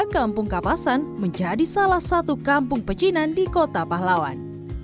kampung kapasan menjadi salah satu kampung pecinan di kota pahlawan